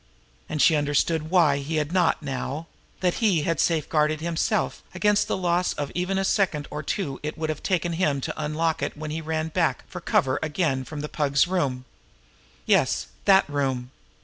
And she understood why he had not now that he had safeguarded himself against the loss of even the second or two it would have taken him to unlock it when he ran back for cover again from the Pug's room. Yes that room!